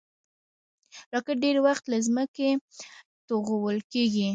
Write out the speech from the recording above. راکټ ډېری وخت له ځمکې توغول کېږي